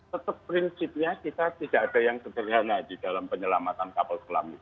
tetap prinsipnya kita tidak ada yang sederhana di dalam penyelamatan kapal selam itu